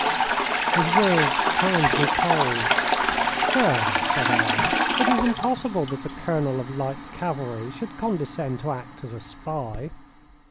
His words turned me cold. "Sir," said I, "it is impossible that a colonel of light cavalry should condescend to act as a spy."